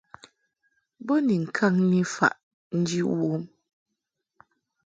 Bo ni ŋkaŋki faʼ nji wom.